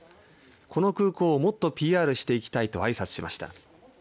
この空港もっとＰＲしていきたいとあいさつしました。